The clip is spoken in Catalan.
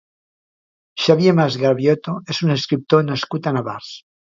Xavier Mas Craviotto és un escriptor nascut a Navars.